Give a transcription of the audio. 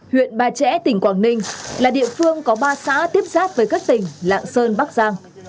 huyện ba trẻ tỉnh quảng ninh là địa phương có ba xã tiếp xác với các tỉnh lạng sơn bắc giang